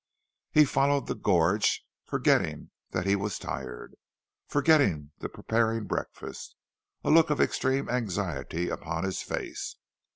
He followed the gorge, forgetting that he was tired, forgetting the preparing breakfast, a look of extreme anxiety upon his face.